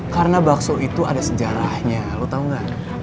karena bakso itu ada sejarahnya lo tau gak